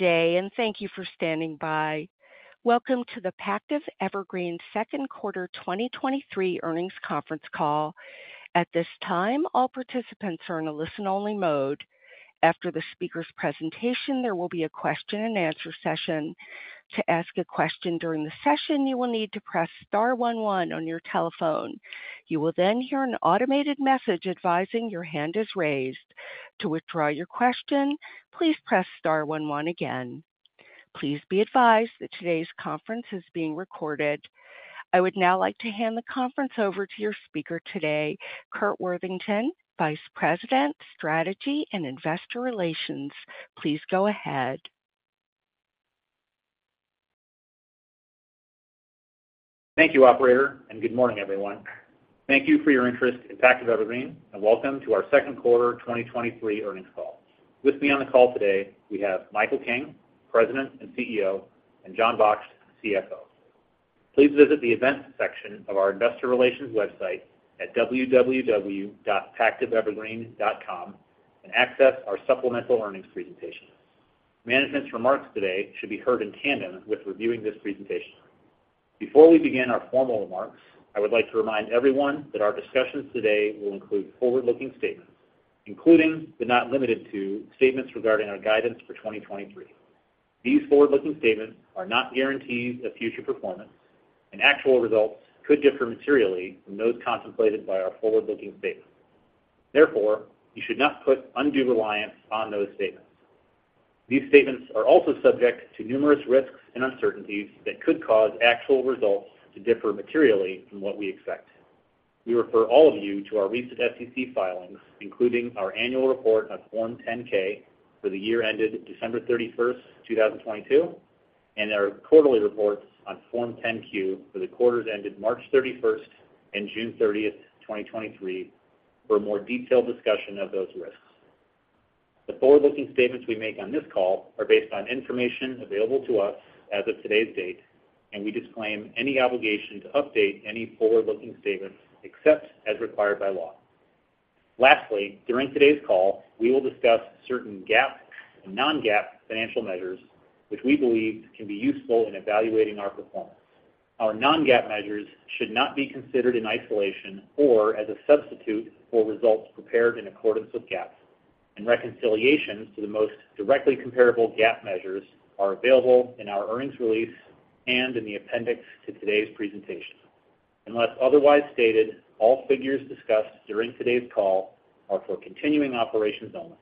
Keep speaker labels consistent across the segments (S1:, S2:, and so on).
S1: Good day, and thank you for standing by. Welcome to the Pactiv Evergreen Second Quarter 2023 Earnings Conference Call. At this time, all participants are in a listen-only mode. After the speaker's presentation, there will be a question-and-answer session. To ask a question during the session, you will need to press star one one on your telephone. You will then hear an automated message advising your hand is raised. To withdraw your question, please press star one one again. Please be advised that today's conference is being recorded. I would now like to hand the conference over to your speaker today, Curt Worthington, Vice President, Strategy and Investor Relations. Please go ahead.
S2: Thank you, operator. Good morning, everyone. Thank you for your interest in Pactiv Evergreen, and Welcome to our Second Quarter 2023 Earnings Call. With me on the call today, we have Michael King, President and CEO, and Jon Baksht, CFO. Please visit the events section of our investor relations website at www.pactivevergreen.com and access our supplemental earnings presentation. Management's remarks today should be heard in tandem with reviewing this presentation. Before we begin our formal remarks, I would like to remind everyone that our discussions today will include forward-looking statements, including, but not limited to, statements regarding our guidance for 2023. These forward-looking statements are not guarantees of future performance, and actual results could differ materially from those contemplated by our forward-looking statements. You should not put undue reliance on those statements. These statements are also subject to numerous risks and uncertainties that could cause actual results to differ materially from what we expect. We refer all of you to our recent SEC filings, including our annual report on Form 10-K for the year ended 31 December 2022, and our quarterly reports on Form 10-Q for the quarters ended 31 March and 30 June 2023, for a more detailed discussion of those risks. The forward-looking statements we make on this call are based on information available to us as of today's date. We disclaim any obligation to update any forward-looking statements except as required by law. Lastly, during today's call, we will discuss certain GAAP and non-GAAP financial measures, which we believe can be useful in evaluating our performance. Our non-GAAP measures should not be considered in isolation or as a substitute for results prepared in accordance with GAAP, and reconciliations to the most directly comparable GAAP measures are available in our earnings release and in the appendix to today's presentation. Unless otherwise stated, all figures discussed during today's call are for continuing operations only.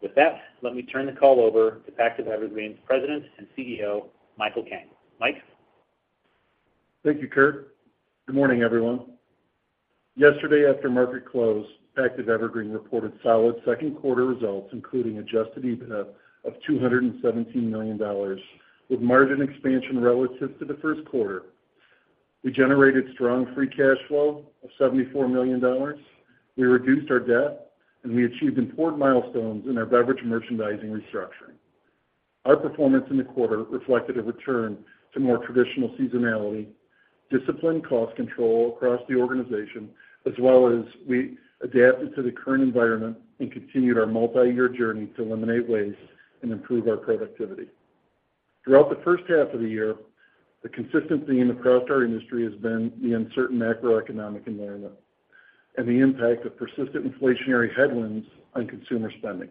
S2: With that, let me turn the call over to Pactiv Evergreen's President and CEO, Michael King. Mike?
S3: Thank you, Curt. Good morning, everyone. Yesterday, after market close, Pactiv Evergreen reported solid second quarter results, including adjusted EBIT of $217 million, with margin expansion relative to the first quarter. We generated strong free cash flow of $74 million. We reduced our debt, and we achieved important milestones in our Beverage Merchandising restructuring. Our performance in the quarter reflected a return to more traditional seasonality, disciplined cost control across the organization, as well as we adapted to the current environment and continued our multi-year journey to eliminate waste and improve our productivity. Throughout the first half of the year, the consistency across our industry has been the uncertain macroeconomic environment and the impact of persistent inflationary headwinds on consumer spending.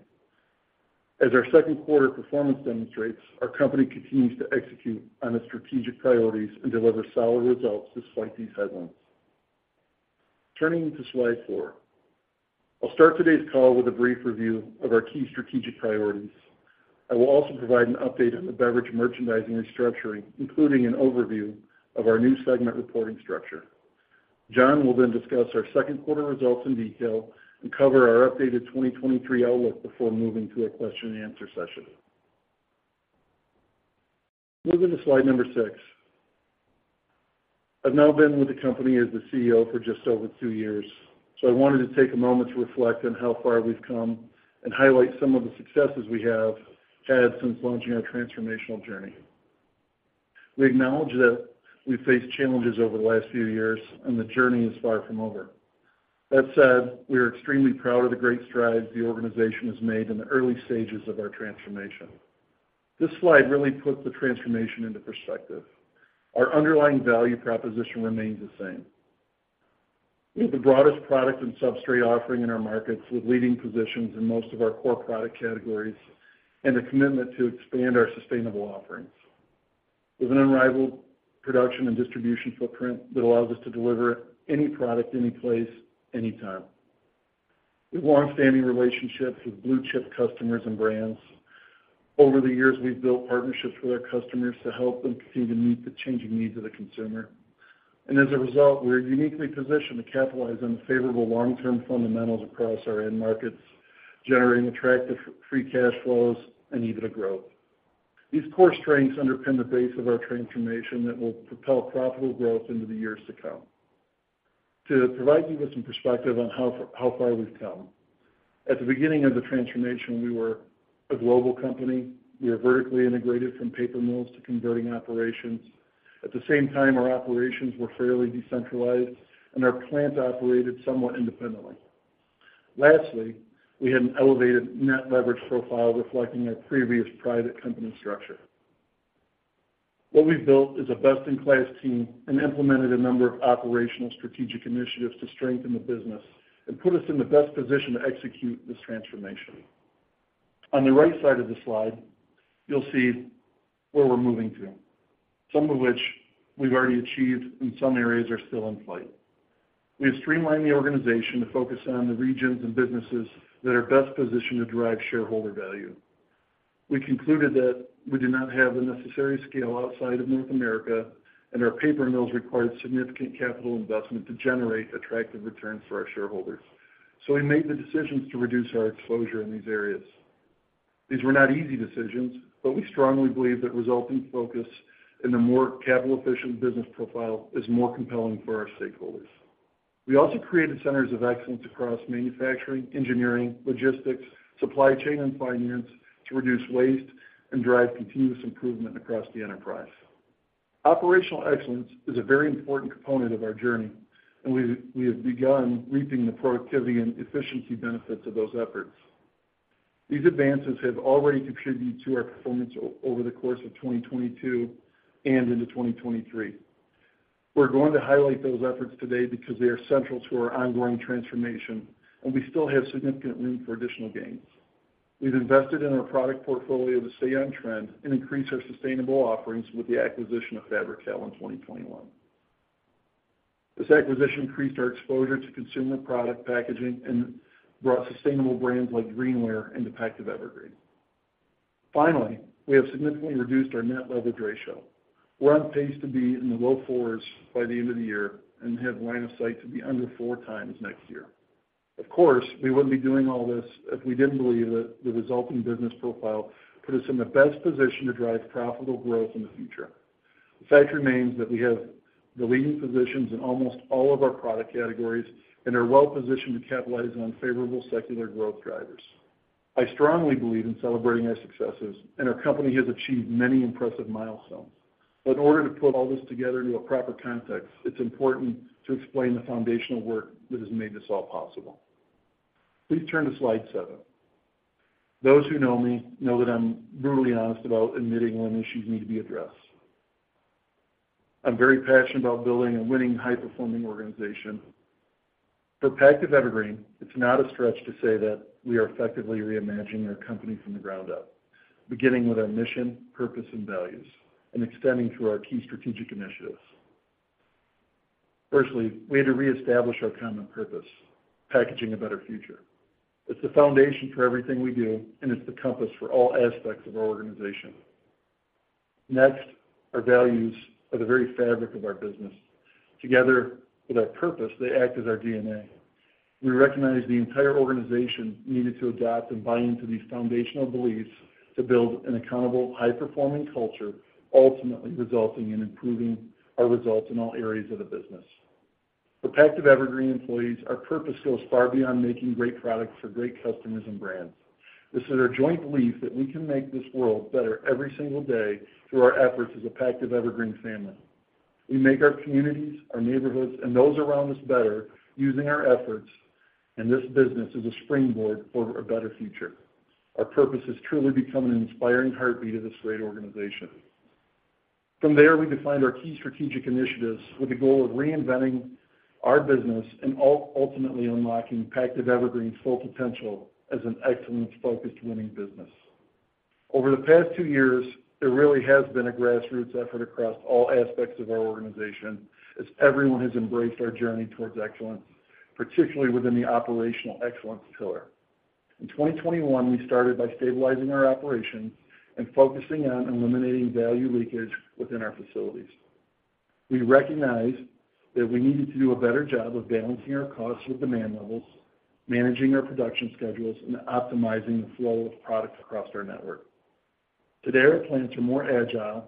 S3: As our second quarter performance demonstrates, our company continues to execute on its strategic priorities and deliver solid results despite these headwinds. Turning to slide four. I'll start today's call with a brief review of our key strategic priorities. I will also provide an update on the Beverage Merchandising restructuring, including an overview of our new segment reporting structure. Jon will then discuss our second quarter results in detail and cover our updated 2023 outlook before moving to a question and answer session. Moving to slide number six. I've now been with the company as the CEO for just over two years, so I wanted to take a moment to reflect on how far we've come and highlight some of the successes we have had since launching our transformational journey. We acknowledge that we've faced challenges over the last few years, and the journey is far from over. That said, we are extremely proud of the great strides the organization has made in the early stages of our transformation. This slide really puts the transformation into perspective. Our underlying value proposition remains the same. We have the broadest product and substrate offering in our markets, with leading positions in most of our core product categories and a commitment to expand our sustainable offerings. With an unrivaled production and distribution footprint that allows us to deliver any product, any place, anytime. We have longstanding relationships with blue-chip customers and brands. Over the years, we've built partnerships with our customers to help them continue to meet the changing needs of the consumer. As a result, we are uniquely positioned to capitalize on the favorable long-term fundamentals across our end markets, generating attractive free cash flows and EBITDA growth. These core strengths underpin the base of our transformation that will propel profitable growth into the years to come. To provide you with some perspective on how far, how far we've come, at the beginning of the transformation, we were a global company. We are vertically integrated from paper mills to converting operations. At the same time, our operations were fairly decentralized, and our plant operated somewhat independently. Lastly, we had an elevated net leverage profile reflecting our previous private company structure. What we've built is a best-in-class team and implemented a number of operational strategic initiatives to strengthen the business and put us in the best position to execute this transformation. On the right side of the slide, you'll see where we're moving to, some of which we've already achieved, and some areas are still in flight. We have streamlined the organization to focus on the regions and businesses that are best positioned to drive shareholder value. We concluded that we did not have the necessary scale outside of North America, and our paper mills required significant capital investment to generate attractive returns for our shareholders, so we made the decisions to reduce our exposure in these areas. These were not easy decisions, but we strongly believe that resulting focus in a more capital-efficient business profile is more compelling for our stakeholders. We also created centers of excellence across manufacturing, engineering, logistics, supply chain, and finance to reduce waste and drive continuous improvement across the enterprise. Operational excellence is a very important component of our journey, and we have begun reaping the productivity and efficiency benefits of those efforts. These advances have already contributed to our performance over the course of 2022 and into 2023. We're going to highlight those efforts today because they are central to our ongoing transformation, and we still have significant room for additional gains. We've invested in our product portfolio to stay on trend and increase our sustainable offerings with the acquisition of Fabri-Kal in 2021. This acquisition increased our exposure to consumer product packaging and brought sustainable brands like Greenware into Pactiv Evergreen. Finally, we have significantly reduced our net leverage ratio. We're on pace to be in the low 4s by the end of the year and have line of sight to be under 4x next year. Of course, we wouldn't be doing all this if we didn't believe that the resulting business profile put us in the best position to drive profitable growth in the future. The fact remains that we have the leading positions in almost all of our product categories and are well positioned to capitalize on favorable secular growth drivers. Our company has achieved many impressive milestones. In order to put all this together into a proper context, it's important to explain the foundational work that has made this all possible. Please turn to slide seven. Those who know me know that I'm brutally honest about admitting when issues need to be addressed. I'm very passionate about building a winning, high-performing organization. For Pactiv Evergreen, it's not a stretch to say that we are effectively reimagining our company from the ground up, beginning with our mission, purpose, and values, and extending through our key strategic initiatives. Firstly, we had to reestablish our common purpose, packaging a better future. It's the foundation for everything we do, and it's the compass for all aspects of our organization. Next, our values are the very fabric of our business. Together with our purpose, they act as our DNA. We recognize the entire organization needed to adapt and buy into these foundational beliefs to build an accountable, high-performing culture, ultimately resulting in improving our results in all areas of the business. For Pactiv Evergreen employees, our purpose goes far beyond making great products for great customers and brands. This is our joint belief that we can make this world better every single day through our efforts as a Pactiv Evergreen family. We make our communities, our neighborhoods, and those around us better using our efforts, and this business is a springboard for a better future. Our purpose has truly become an inspiring heartbeat of this great organization. From there, we defined our key strategic initiatives with the goal of reinventing our business and ultimately unlocking Pactiv Evergreen's full potential as an excellence-focused winning business. Over the past two years, there really has been a grassroots effort across all aspects of our organization as everyone has embraced our journey towards excellence, particularly within the operational excellence pillar. In 2021, we started by stabilizing our operations and focusing on eliminating value leakage within our facilities. We recognized that we needed to do a better job of balancing our costs with demand levels, managing our production schedules, and optimizing the flow of products across our network. Today, our plants are more agile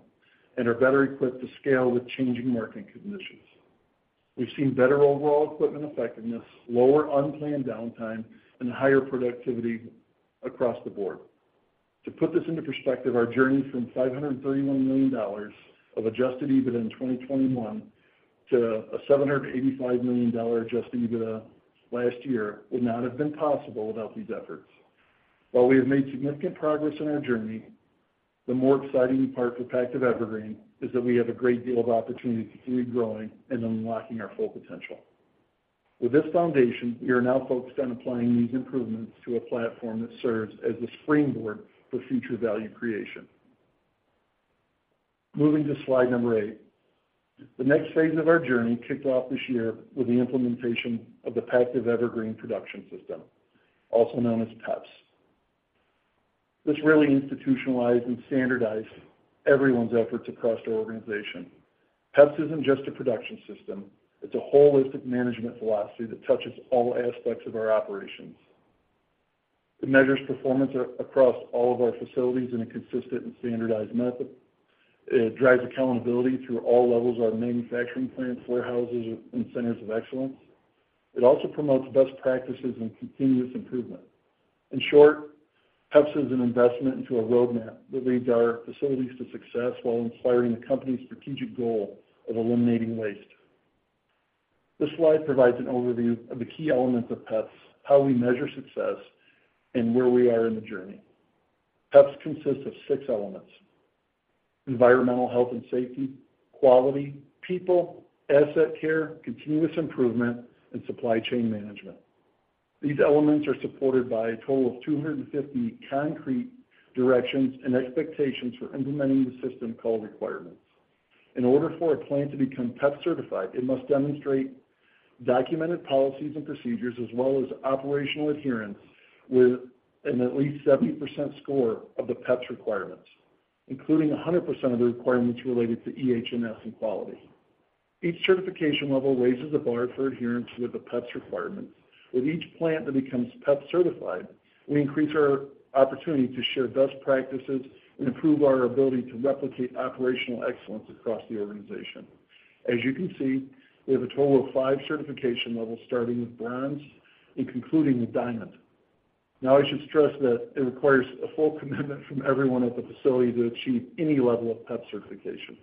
S3: and are better equipped to scale with changing market conditions. We've seen better overall equipment effectiveness, lower unplanned downtime, and higher productivity across the board. To put this into perspective, our journey from $531 million of adjusted EBITDA in 2021 to a $785 million adjusted EBITDA last year would not have been possible without these efforts. While we have made significant progress in our journey, the more exciting part for Pactiv Evergreen is that we have a great deal of opportunity to keep growing and unlocking our full potential. With this foundation, we are now focused on applying these improvements to a platform that serves as a springboard for future value creation. Moving to slide number eight, the next phase of our journey kicked off this year with the implementation of the Pactiv Evergreen Production System, also known as PEPS. This really institutionalized and standardized everyone's efforts across our organization. PEPS isn't just a production system, it's a holistic management philosophy that touches all aspects of our operations. It measures performance across all of our facilities in a consistent and standardized method. It drives accountability through all levels of our manufacturing plants, warehouses, and centers of excellence. It also promotes best practices and continuous improvement. In short, PEPS is an investment into a roadmap that leads our facilities to success while inspiring the company's strategic goal of eliminating waste. This slide provides an overview of the key elements of PEPS, how we measure success, and where we are in the journey. PEPS consists of six elements: environmental, health, and safety, quality, people, asset care, continuous improvement, and supply chain management. These elements are supported by a total of 250 concrete directions and expectations for implementing the system called requirements. In order for a plant to become PEPS certified, it must demonstrate documented policies and procedures, as well as operational adherence with an at least 70% score of the PEPS requirements, including 100% of the requirements related to EHS and quality. Each certification level raises the bar for adherence with the PEPS requirements. With each plant that becomes PEPS certified, we increase our opportunity to share best practices and improve our ability to replicate operational excellence across the organization. As you can see, we have a total of five certification levels, starting with bronze and concluding with diamond. Now, I should stress that it requires a full commitment from everyone at the facility to achieve any level of PEPS certification.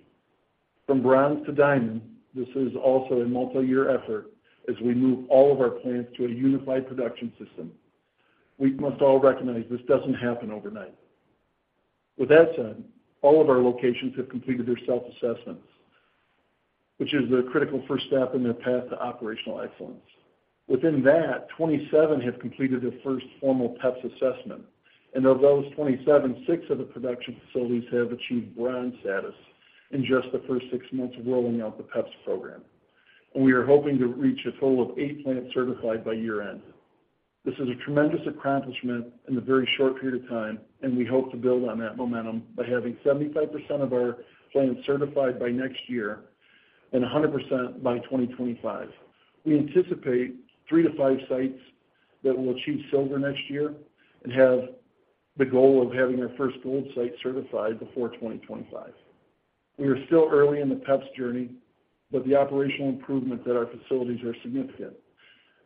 S3: From bronze to diamond, this is also a multiyear effort as we move all of our plants to a unified production system. We must all recognize this doesn't happen overnight. With that said, all of our locations have completed their self-assessments, which is the critical first step in their path to operational excellence. Within that, 27 have completed their first formal PEPS assessment, and of those 27, six of the production facilities have achieved bronze status in just the first six months of rolling out the PEPS program. We are hoping to reach a total of eight plants certified by year-end. This is a tremendous accomplishment in a very short period of time, and we hope to build on that momentum by having 75% of our plants certified by next year and 100% by 2025. We anticipate three to five sites that will achieve silver next year and have the goal of having our first gold site certified before 2025. We are still early in the PEPS journey, but the operational improvements at our facilities are significant,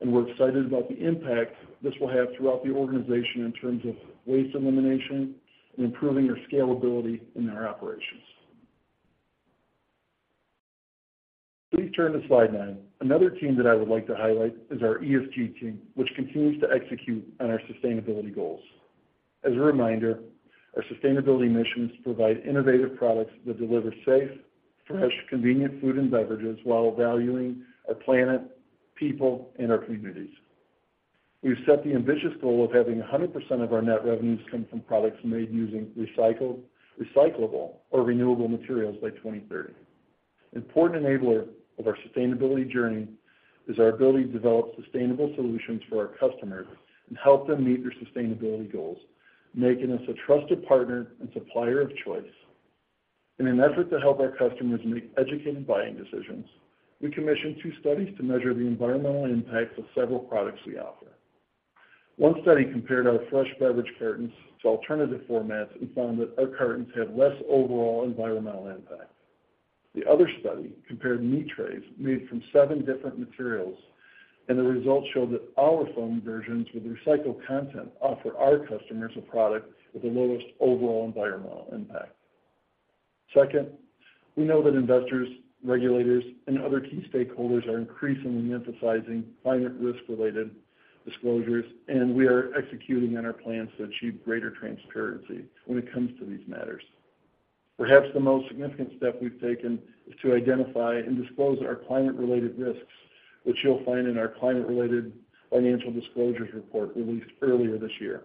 S3: and we're excited about the impact this will have throughout the organization in terms of waste elimination and improving our scalability in our operations. Please turn to slide nine. Another team that I would like to highlight is our ESG team, which continues to execute on our sustainability goals. As a reminder, our sustainability missions provide innovative products that deliver safe, fresh, convenient food and beverages while valuing our planet, people, and our communities. We've set the ambitious goal of having 100% of our net revenues come from products made using recycled, recyclable, or renewable materials by 2030. An important enabler of our sustainability journey is our ability to develop sustainable solutions for our customers and help them meet their sustainability goals, making us a trusted partner and supplier of choice. In an effort to help our customers make educated buying decisions, we commissioned two studies to measure the environmental impacts of several products we offer. One study compared our fresh beverage cartons to alternative formats and found that our cartons had less overall environmental impact. The other study compared meat trays made from 7 different materials, and the results showed that our foam versions with recycled content offer our customers a product with the lowest overall environmental impact. Second, we know that investors, regulators, and other key stakeholders are increasingly emphasizing climate risk-related disclosures, and we are executing on our plans to achieve greater transparency when it comes to these matters. Perhaps the most significant step we've taken is to identify and disclose our climate-related risks, which you'll find in our climate-related financial disclosures report released earlier this year,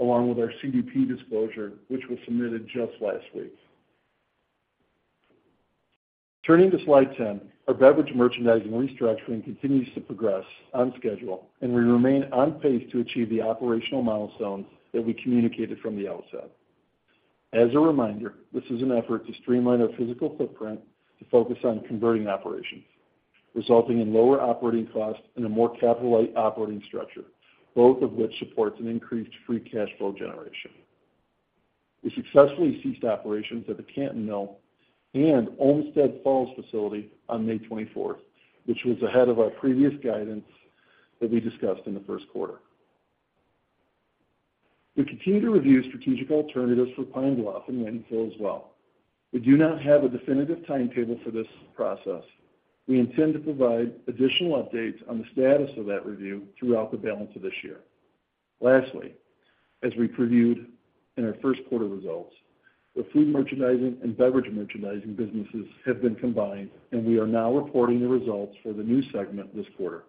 S3: along with our CDP disclosure, which was submitted just last week. Turning to slide 10, our Beverage Merchandising restructuring continues to progress on schedule, and we remain on pace to achieve the operational milestones that we communicated from the outset. As a reminder, this is an effort to streamline our physical footprint to focus on converting operations, resulting in lower operating costs and a more capital-light operating structure, both of which supports an increased free cash flow generation. We successfully ceased operations at the Canton Mill and Olmsted Falls facility on 24th May, which was ahead of our previous guidance that we discussed in the first quarter. We continue to review strategic alternatives for Pine Bluff and Wendell as well. We do not have a definitive timetable for this process. We intend to provide additional updates on the status of that review throughout the balance of this year. Lastly, as we previewed in our first quarter results, the Food Merchandising and Beverage Merchandising businesses have been combined, and we are now reporting the results for the new segment this quarter.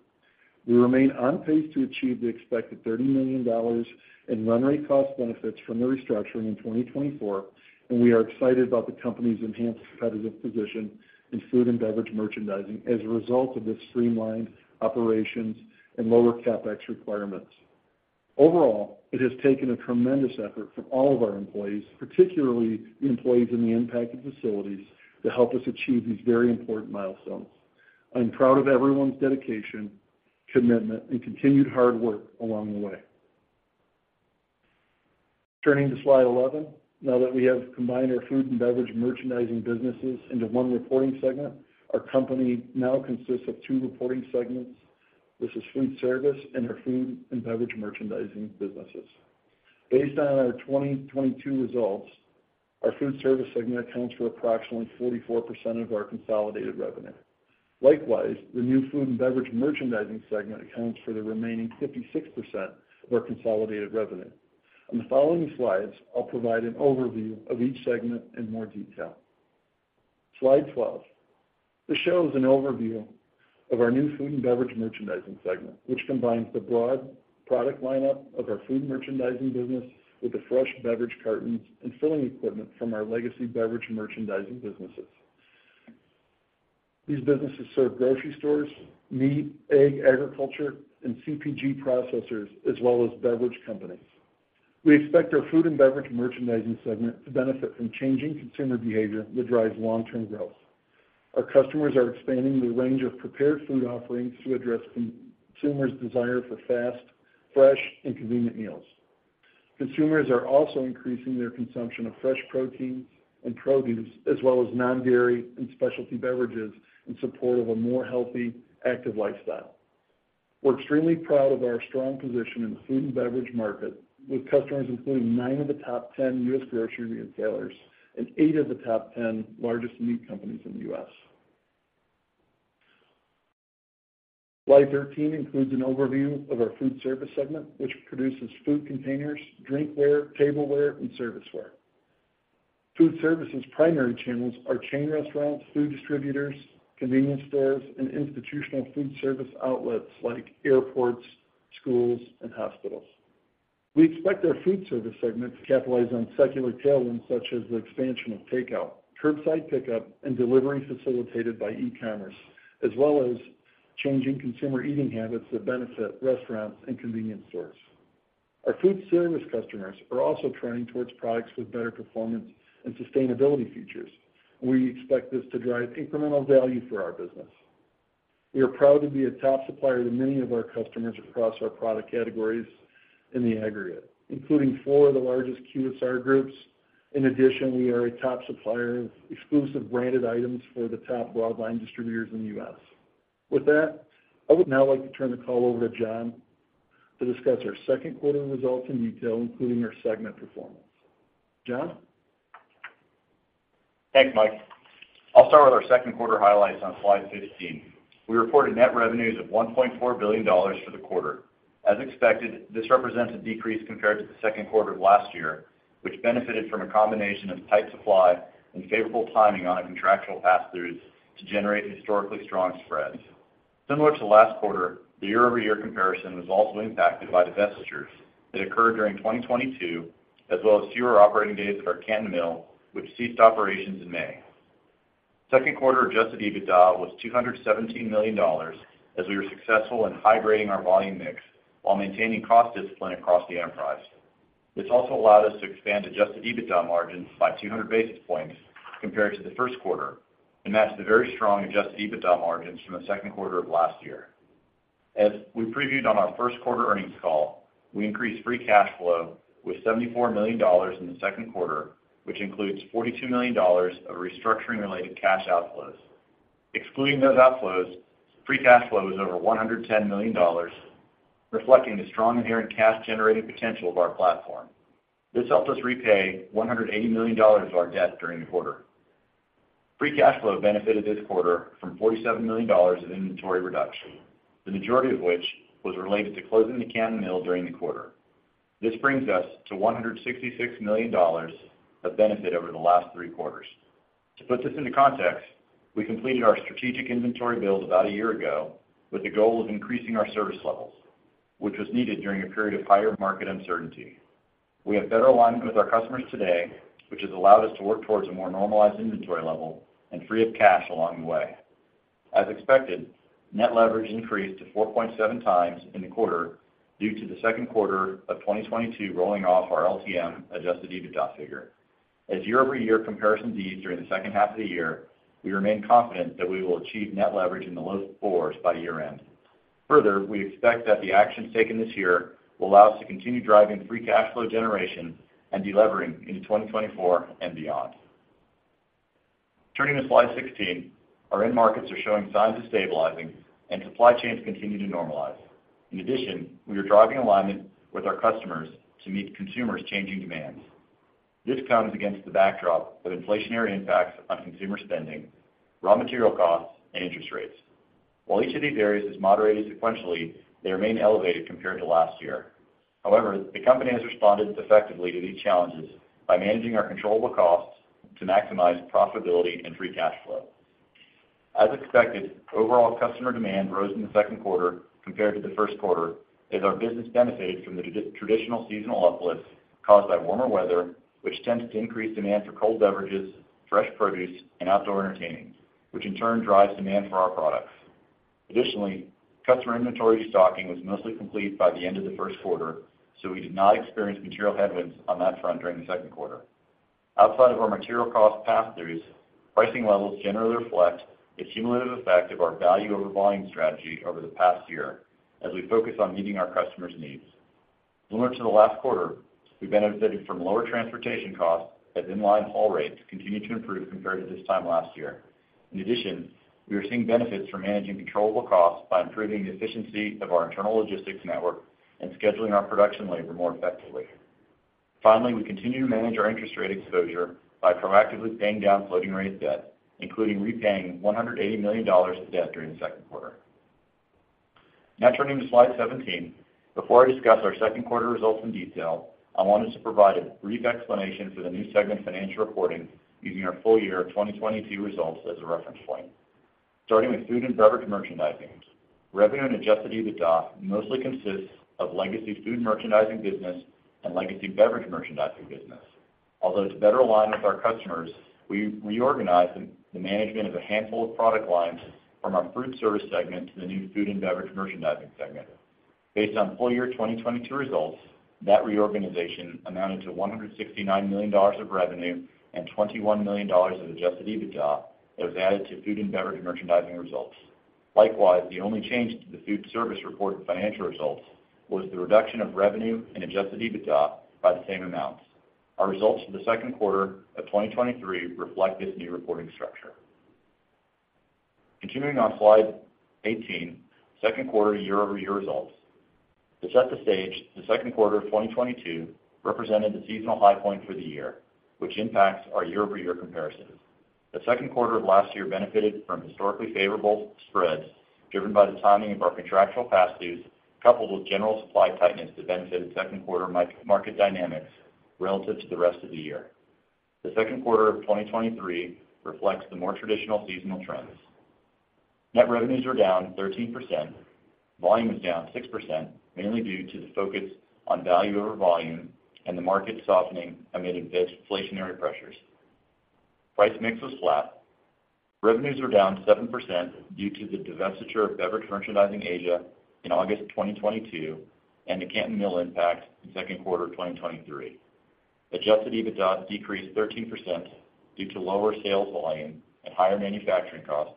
S3: We remain on pace to achieve the expected $30 million in run rate cost benefits from the restructuring in 2024, and we are excited about the company's enhanced competitive position in Food and Beverage Merchandising as a result of this streamlined operations and lower CapEx requirements. Overall, it has taken a tremendous effort from all of our employees, particularly the employees in the impacted facilities, to help us achieve these very important milestones. I'm proud of everyone's dedication, commitment, and continued hard work along the way. Turning to slide 11. Now that we have combined our Food and Beverage Merchandising businesses into one reporting segment, our company now consists of two reporting segments: This is Foodservice and our Food and Beverage Merchandising businesses. Based on our 2022 results, our Foodservice segment accounts for approximately 44% of our consolidated revenue. Likewise, the new Food and Beverage Merchandising segment accounts for the remaining 56% of our consolidated revenue. On the following slides, I'll provide an overview of each segment in more detail. Slide 12. This shows an overview of our new Food and Beverage Merchandising segment, which combines the broad product lineup of our Food Merchandising business with the fresh beverage cartons and filling equipment from our legacy Beverage Merchandising businesses. These businesses serve grocery stores, meat, egg, agriculture, and CPG processors, as well as beverage companies. We expect our Food and Beverage Merchandising segment to benefit from changing consumer behavior that drives long-term growth. Our customers are expanding the range of prepared food offerings to address consumers' desire for fast, fresh, and convenient meals. Consumers are also increasing their consumption of fresh proteins and produce, as well as non-dairy and specialty beverages, in support of a more healthy, active lifestyle. We're extremely proud of our strong position in the food and beverage market, with customers including nine of the top 10 US grocery retailers and 8 of the top 10 largest meat companies in the US. Slide 13 includes an overview of our Foodservice segment, which produces food containers, drinkware, tableware, and serviceware. Foodservice's primary channels are chain restaurants, food distributors, convenience stores, and institutional foodservice outlets like airports, schools, and hospitals. We expect our Foodservice segment to capitalize on secular tailwinds, such as the expansion of takeout, curbside pickup, and delivery facilitated by e-commerce, as well as changing consumer eating habits that benefit restaurants and convenience stores. Our Foodservice customers are also trending towards products with better performance and sustainability features. We expect this to drive incremental value for our business. We are proud to be a top supplier to many of our customers across our product categories in the aggregate, including four of the largest QSR groups. In addition, we are a top supplier of exclusive branded items for the top broadline distributors in the U.S. With that, I would now like to turn the call over to Jon to discuss our second quarter results in detail, including our segment performance. Jon?
S4: Thanks, Mike. I'll start with our second quarter highlights on slide 15. We reported net revenues of $1.4 billion for the quarter. As expected, this represents a decrease compared to the second quarter of last year, which benefited from a combination of tight supply and favorable timing on our contractual pass-throughs to generate historically strong spreads. Similar to last quarter, the year-over-year comparison was also impacted by divestitures that occurred during 2022, as well as fewer operating days at our Canton Mill, which ceased operations in May. Second quarter adjusted EBITDA was $217 million, as we were successful in high-grading our volume mix while maintaining cost discipline across the enterprise. This also allowed us to expand adjusted EBITDA margins by 200 basis points compared to the first quarter, and matched the very strong adjusted EBITDA margins from the second quarter of last year. As we previewed on our first quarter earnings call, we increased free cash flow with $74 million in the second quarter, which includes $42 million of restructuring-related cash outflows. Excluding those outflows, free cash flow was over $110 million, reflecting the strong inherent cash-generating potential of our platform. This helped us repay $180 million of our debt during the quarter. Free cash flow benefited this quarter from $47 million of inventory reduction, the majority of which was related to closing the Canton Mill during the quarter. This brings us to $166 million of benefit over the last three quarters. To put this into context, we completed our strategic inventory build about a year ago with the goal of increasing our service levels, which was needed during a period of higher market uncertainty. We have better alignment with our customers today, which has allowed us to work towards a more normalized inventory level and free up cash along the way. As expected, net leverage increased to 4.7x in the quarter due to the second quarter of 2022 rolling off our LTM adjusted EBITDA figure. As year-over-year comparisons ease during the second half of the year, we remain confident that we will achieve net leverage in the low 4s by year-end. Further, we expect that the actions taken this year will allow us to continue driving free cash flow generation and delevering into 2024 and beyond. Turning to slide 16, our end markets are showing signs of stabilizing and supply chains continue to normalize. In addition, we are driving alignment with our customers to meet consumers' changing demands. This comes against the backdrop of inflationary impacts on consumer spending, raw material costs, and interest rates. While each of these areas has moderated sequentially, they remain elevated compared to last year. However, the company has responded effectively to these challenges by managing our controllable costs to maximize profitability and free cash flow. As expected, overall customer demand rose in the second quarter compared to the first quarter, as our business benefited from the traditional seasonal uplift caused by warmer weather, which tends to increase demand for cold beverages, fresh produce, and outdoor entertaining, which in turn drives demand for our products. Additionally, customer inventory restocking was mostly complete by the end of the first quarter, so we did not experience material headwinds on that front during the second quarter. Outside of our material cost pass-throughs, pricing levels generally reflect the cumulative effect of our value over volume strategy over the past year as we focus on meeting our customers' needs. Similar to the last quarter, we benefited from lower transportation costs as line-haul ratescontinued to improve compared to this time last year. In addition, we are seeing benefits from managing controllable costs by improving the efficiency of our internal logistics network and scheduling our production labor more effectively. Finally, we continue to manage our interest rate exposure by proactively paying down floating rate debt, including repaying $180 million of debt during the second quarter. Now turning to slide 17. Before I discuss our second quarter results in detail, I wanted to provide a brief explanation for the new segment financial reporting using our full year of 2022 results as a reference point. Starting with Food and Beverage Merchandising, revenue and adjusted EBITDA mostly consists of legacy Food Merchandising business and legacy Beverage Merchandising business. Although to better align with our customers, we reorganized the management of a handful of product lines from our Foodservice segment to the new Food and Beverage Merchandising segment. Based on full year 2022 results, that reorganization amounted to $169 million of revenue and $21 million of adjusted EBITDA that was added to Food and Beverage Merchandising results. Likewise, the only change to the Foodservice reported financial results was the reduction of revenue and adjusted EBITDA by the same amounts. Our results for the second quarter of 2023 reflect this new reporting structure. Continuing on slide 18, second quarter year-over-year results. To set the stage, the second quarter of 2022 represented the seasonal high point for the year, which impacts our year-over-year comparison. The second quarter of last year benefited from historically favorable spreads, driven by the timing of our contractual pass-throughs, coupled with general supply tightness that benefited second quarter market dynamics relative to the rest of the year. The second quarter of 2023 reflects the more traditional seasonal trends. Net revenues were down 13%. Volume was down 6%, mainly due to the focus on value over volume and the market softening amid inflationary pressures. Price mix was flat. Revenues were down 7% due to the divestiture of Beverage Merchandising Asia in August 2022, and the Canton Mill impact in second quarter of 2023. Adjusted EBITDA decreased 13% due to lower sales volume and higher manufacturing costs,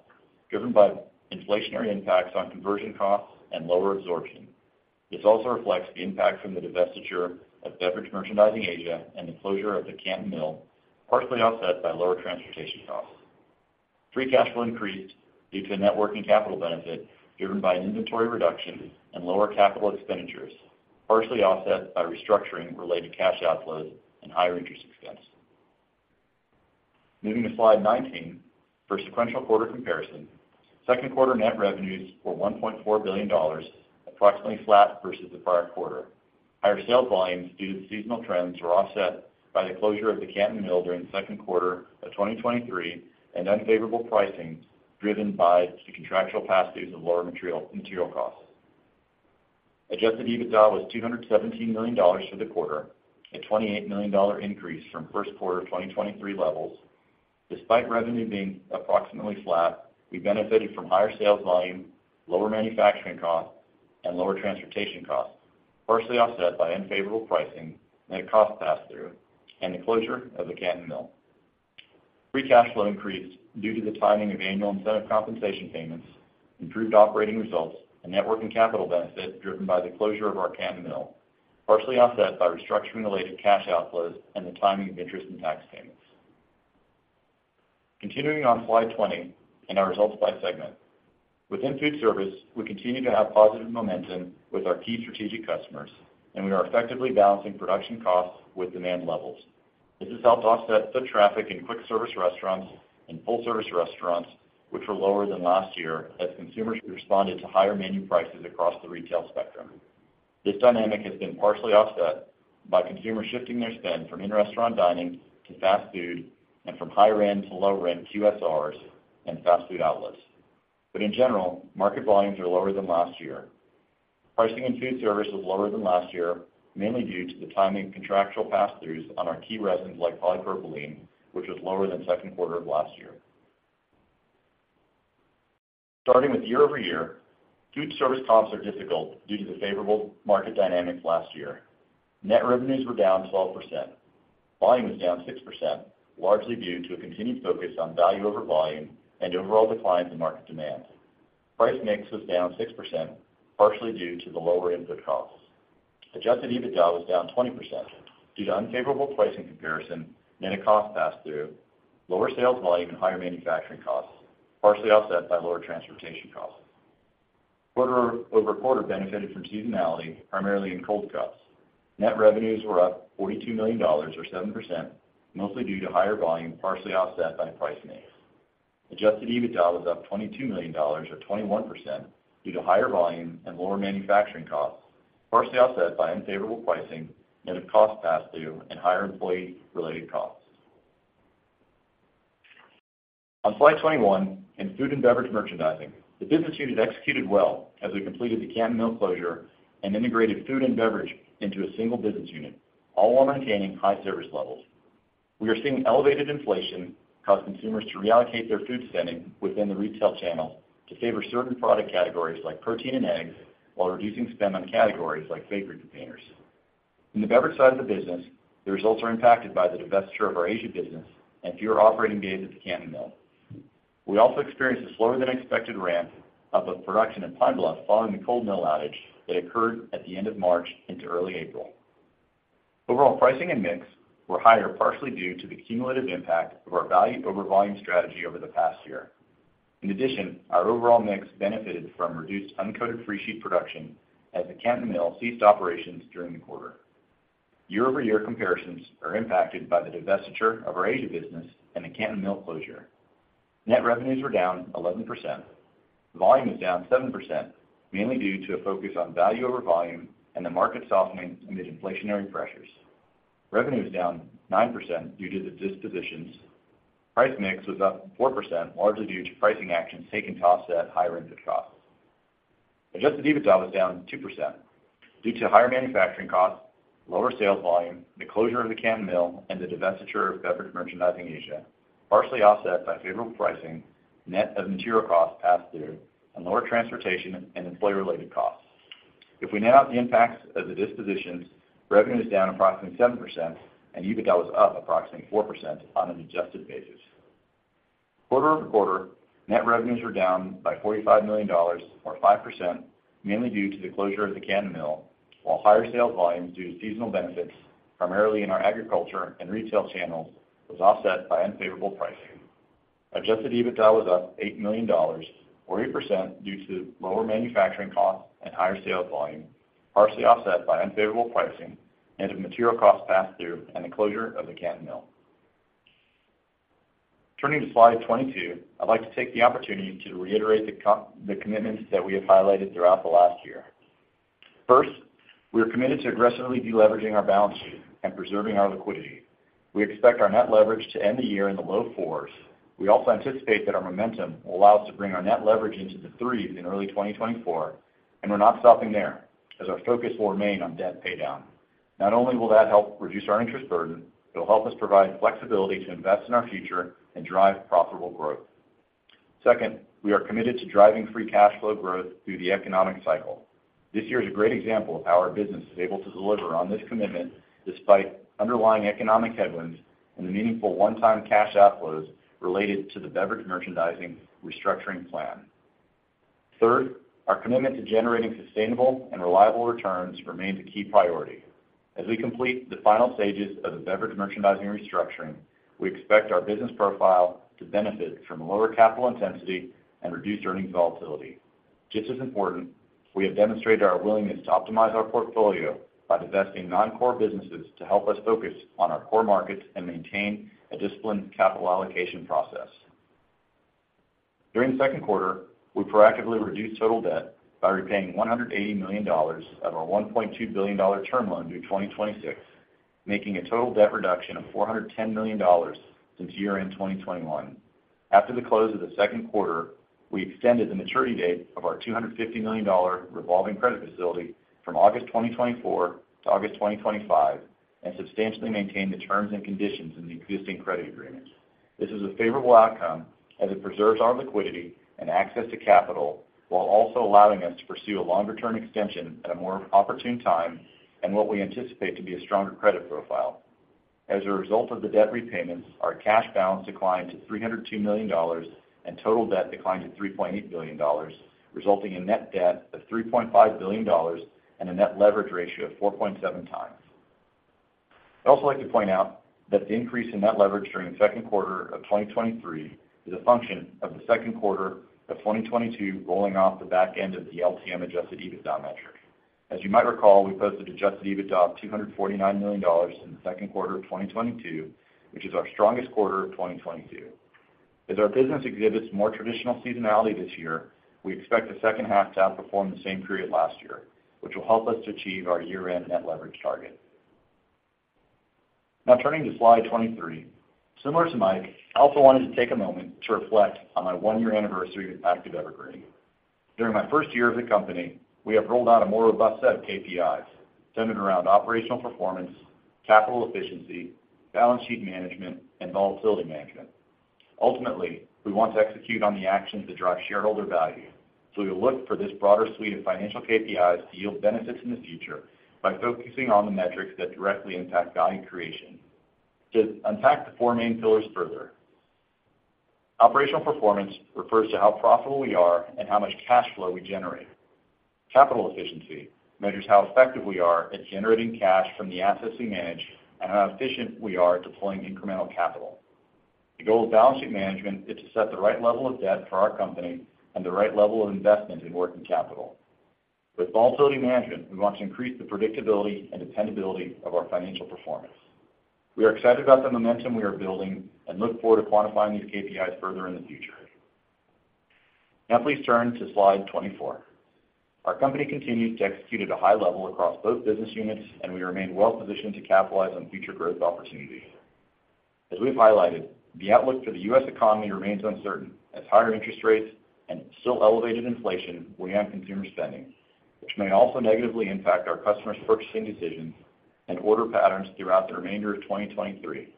S4: driven by inflationary impacts on conversion costs and lower absorption. This also reflects the impact from the divestiture of Beverage Merchandising Asia and the closure of the Canton Mill, partially offset by lower transportation costs. Free cash flow increased due to a net working capital benefit, driven by an inventory reduction and lower capital expenditures, partially offset by restructuring related cash outflows and higher interest expense. Moving to slide 19, for sequential quarter comparison, second quarter net revenues were $1.4 billion, approximately flat versus the prior quarter. Higher sales volumes due to seasonal trends were offset by the closure of the Canton Mill during the second quarter of 2023, and unfavorable pricing, driven by the contractual pass-throughs of lower material costs. Adjusted EBITDA was $217 million for the quarter, a $28 million increase from first quarter of 2023 levels. Despite revenue being approximately flat, we benefited from higher sales volume, lower manufacturing costs, and lower transportation costs, partially offset by unfavorable pricing and a cost pass-through, and the closure of the Canton Mill. Free cash flow increased due to the timing of annual incentive compensation payments, improved operating results, and net working capital benefit driven by the closure of our Canton Mill, partially offset by restructuring related cash outflows and the timing of interest and tax payments. Continuing on slide 20, our results by segment. Within Foodservice, we continue to have positive momentum with our key strategic customers, and we are effectively balancing production costs with demand levels. This has helped offset the traffic in quick service restaurants and full-service restaurants, which were lower than last year as consumers responded to higher menu prices across the retail spectrum. This dynamic has been partially offset by consumers shifting their spend from in-restaurant dining to fast food and from higher-end to lower-end QSRs and fast food outlets. In general, market volumes are lower than last year. Pricing in Foodservice was lower than last year, mainly due to the timing of contractual pass-throughs on our key resins like polypropylene, which was lower than second quarter of last year. Starting with year-over-year, Foodservice comps are difficult due to the favorable market dynamics last year. Net revenues were down 12%. Volume was down 6%, largely due to a continued focus on value over volume and overall declines in market demand. Price mix was down 6%, partially due to the lower input costs. Adjusted EBITDA was down 20% due to unfavorable pricing comparison and a cost pass-through, lower sales volume and higher manufacturing costs, partially offset by lower transportation costs. Quarter-over-quarter benefited from seasonality, primarily in cold cups. Net revenues were up $42 million, or 7%, mostly due to higher volume, partially offset by price mix. Adjusted EBITDA was up $22 million, or 21%, due to higher volume and lower manufacturing costs, partially offset by unfavorable pricing and a cost pass-through and higher employee-related costs. On slide 21, in Food and Beverage Merchandising, the business unit executed well as we completed the Canton Mill closure and integrated Food and Beverage into a single business unit, all while maintaining high service levels. We are seeing elevated inflation cause consumers to reallocate their food spending within the retail channel to favor certain product categories like protein and eggs, while reducing spend on categories like bakery containers. In the beverage side of the business, the results are impacted by the divestiture of our Asia business and fewer operating days at the Canton Mill. We also experienced a slower-than-expected ramp up of production in Pine Bluff following the cold mill outage that occurred at the end of March into early April. Overall pricing and mix were higher, partially due to the cumulative impact of our value over volume strategy over the past year. Our overall mix benefited from reduced uncoated freesheet production as the Canton Mill ceased operations during the quarter. Year-over-year comparisons are impacted by the divestiture of our Asia business and the Canton Mill closure. Net revenues were down 11%. Volume is down 7%, mainly due to a focus on value over volume and the market softening amid inflationary pressures. Revenue is down 9% due to the dispositions. Price mix was up 4%, largely due to pricing actions taken to offset higher input costs. Adjusted EBITDA was down 2% due to higher manufacturing costs, lower sales volume, the closure of the Canton Mill, and the divestiture of Beverage Merchandising Asia, partially offset by favorable pricing, net of material costs passed through, and lower transportation and employee-related costs. If we net out the impacts of the dispositions, revenue is down approximately 7%, and EBITDA was up approximately 4% on an adjusted basis. Quarter-over-quarter, net revenues were down by $45 million or 5%, mainly due to the closure of the Canton Mill, while higher sales volume due to seasonal benefits, primarily in our agriculture and retail channels, was offset by unfavorable pricing. Adjusted EBITDA was up $8 million, or 8%, due to lower manufacturing costs and higher sales volume, partially offset by unfavorable pricing and the material costs passed through and the closure of the Canton Mill. Turning to slide 22, I'd like to take the opportunity to reiterate the commitments that we have highlighted throughout the last year. First, we are committed to aggressively deleveraging our balance sheet and preserving our liquidity. We expect our net leverage to end the year in the low 4s. We also anticipate that our momentum will allow us to bring our net leverage into the 3s in early 2024. We're not stopping there, as our focus will remain on debt paydown. Not only will that help reduce our interest burden, it'll help us provide flexibility to invest in our future and drive profitable growth. Second, we are committed to driving free cash flow growth through the economic cycle. This year is a great example of how our business is able to deliver on this commitment, despite underlying economic headwinds and the meaningful one-time cash outflows related to the Beverage Merchandising restructuring plan. Third, our commitment to generating sustainable and reliable returns remains a key priority. As we complete the final stages of the Beverage Merchandising restructuring, we expect our business profile to benefit from lower capital intensity and reduced earnings volatility. Just as important, we have demonstrated our willingness to optimize our portfolio by divesting non-core businesses to help us focus on our core markets and maintain a disciplined capital allocation process. During the second quarter, we proactively reduced total debt by repaying $180 million of our $1.2 billion term loan due 2026, making a total debt reduction of $410 million since year-end 2021. After the close of the second quarter, we extended the maturity date of our $250 million revolving credit facility from August 2024 to August 2025 and substantially maintained the terms and conditions in the existing credit agreement. This is a favorable outcome as it preserves our liquidity and access to capital, while also allowing us to pursue a longer-term extension at a more opportune time and what we anticipate to be a stronger credit profile. As a result of the debt repayments, our cash balance declined to $302 million, and total debt declined to $3.8 billion, resulting in net debt of $3.5 billion and a net leverage ratio of 4.7 times. I'd also like to point out that the increase in net leverage during the second quarter of 2023 is a function of the second quarter of 2022 rolling off the back end of the LTM adjusted EBITDA metric. As you might recall, we posted adjusted EBITDA of $249 million in the second quarter of 2022, which is our strongest quarter of 2022. As our business exhibits more traditional seasonality this year, we expect the second half to outperform the same period last year, which will help us to achieve our year-end net leverage target. Now turning to slide 23. Similar to Mike, I also wanted to take a moment to reflect on my one-year anniversary with Pactiv Evergreen. During my first year of the company, we have rolled out a more robust set of KPIs centered around operational performance, capital efficiency, balance sheet management, and volatility management. Ultimately, we want to execute on the actions that drive shareholder value, we will look for this broader suite of financial KPIs to yield benefits in the future by focusing on the metrics that directly impact value creation. To unpack the four main pillars further, operational performance refers to how profitable we are and how much cash flow we generate. Capital efficiency measures how effective we are at generating cash from the assets we manage and how efficient we are at deploying incremental capital. The goal of balance sheet management is to set the right level of debt for our company and the right level of investment in working capital. With volatility management, we want to increase the predictability and dependability of our financial performance. We are excited about the momentum we are building and look forward to quantifying these KPIs further in the future. Now, please turn to slide 24. Our company continues to execute at a high level across both business units, and we remain well positioned to capitalize on future growth opportunities. As we've highlighted, the outlook for the U.S. economy remains uncertain as higher interest rates and still elevated inflation weigh on consumer spending, which may also negatively impact our customers' purchasing decisions and order patterns throughout the remainder of 2023.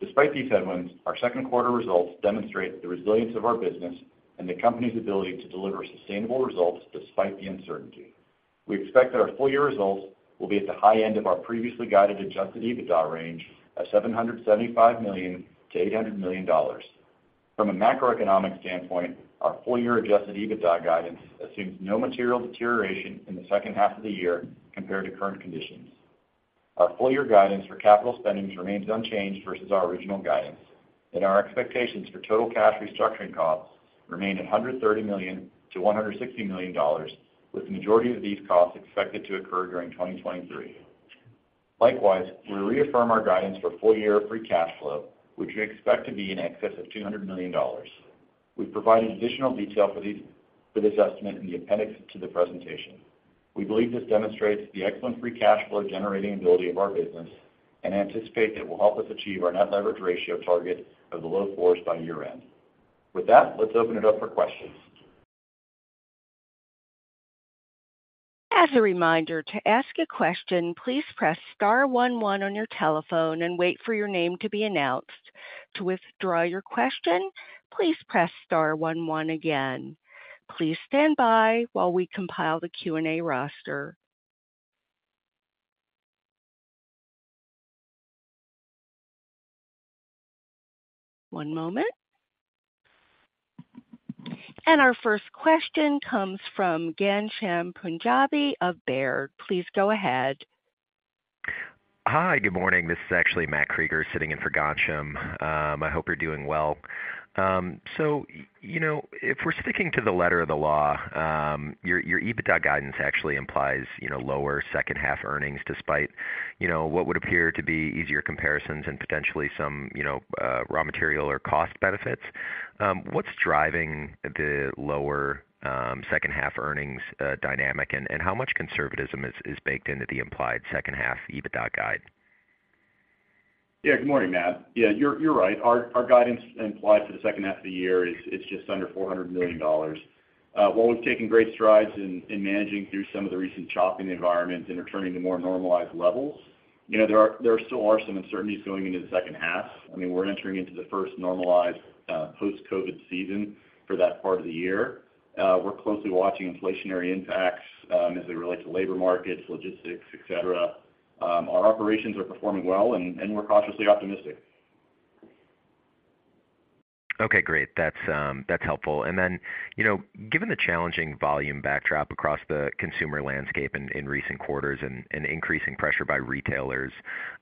S4: Despite these headwinds, our second quarter results demonstrate the resilience of our business and the company's ability to deliver sustainable results despite the uncertainty. We expect that our full year results will be at the high end of our previously guided adjusted EBITDA range of $775 million to $800 million. From a macroeconomic standpoint, our full year adjusted EBITDA guidance assumes no material deterioration in the second half of the year compared to current conditions. Our full year guidance for capital spendings remains unchanged versus our original guidance, and our expectations for total cash restructuring costs remain at $130 million to $160 million, with the majority of these costs expected to occur during 2023. Likewise, we reaffirm our guidance for full year free cash flow, which we expect to be in excess of $200 million. We've provided additional detail for this estimate in the appendix to the presentation. We believe this demonstrates the excellent free cash flow generating ability of our business and anticipate that will help us achieve our net leverage ratio target of the low fours by year-end. With that, let's open it up for questions.
S1: As a reminder, to ask a question, please press star one one on your telephone and wait for your name to be announced. To withdraw your question, please press star one one again. Please stand by while we compile the Q&A roster. One moment. Our first question comes from Ghansham Panjabi of Baird. Please go ahead.
S5: Hi, good morning. This is actually Matt Krueger sitting in for Ghansham. I hope you're doing well. You know, if we're sticking to the letter of the law, your, your EBITDA guidance actually implies, you know, lower second half earnings, despite, you know, what would appear to be easier comparisons and potentially some, you know, raw material or cost benefits. What's driving the lower, second half earnings dynamic? And how much conservatism is, is baked into the implied second half EBITDA guide?
S3: Yeah, good morning, Matt. Yeah, you're right. Our guidance implied for the second half of the year is, it's just under $400 million. While we've taken great strides in managing through some of the recent chopping environment and returning to more normalized levels, you know, there still are some uncertainties going into the second half. I mean, we're entering into the first normalized post-COVID season for that part of the year. We're closely watching inflationary impacts as they relate to labor markets, logistics, et cetera. Our operations are performing well, and we're cautiously optimistic.
S5: Okay, great. That's, that's helpful. And then, you know, given the challenging volume backdrop across the consumer landscape in, in recent quarters and, and increasing pressure by retailers,